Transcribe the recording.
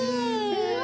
うわ！